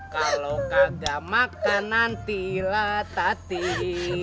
kalau kagak makan nantilah tatit